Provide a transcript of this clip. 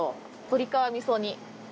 鳥皮みそ煮？